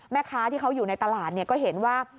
แม่ค้าที่เขาอยู่ในตลาดก็เห็นว่า